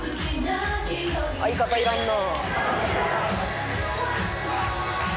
「相方いらんな」